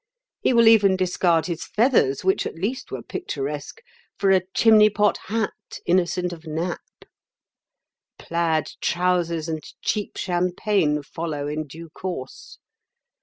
He will even discard his feathers, which at least were picturesque, for a chimney pot hat innocent of nap. Plaid trousers and cheap champagne follow in due course.